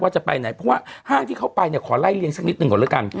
จะไปไหนเพราะว่าห้างที่เขาไปเนี่ยขอไล่เลี้ยสักนิดหนึ่งก่อนแล้วกัน